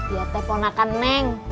iya telfon akan nenk